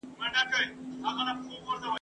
د بې عقل جواب سکوت دئ ..